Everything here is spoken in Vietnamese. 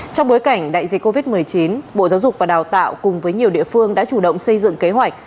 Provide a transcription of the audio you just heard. trong bối cảnh đại dịch covid một mươi chín bộ giáo dục và đào tạo cùng với nhiều địa phương đã chủ động xây dựng kế hoạch